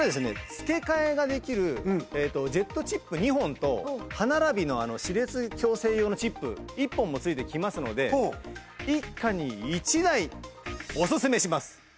付け替えができるジェットチップ２本と歯並びの歯列矯正用のチップ１本も付いてきますので一家に一台おすすめします。